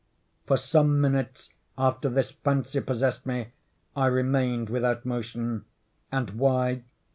For some minutes after this fancy possessed me, I remained without motion. And why?